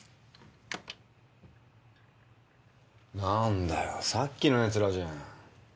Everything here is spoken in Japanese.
何だよさっきの奴らじゃん。